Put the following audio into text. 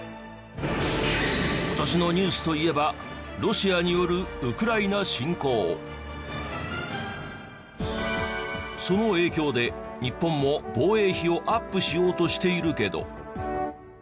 今年のニュースといえばその影響で日本も防衛費をアップしようとしているけど。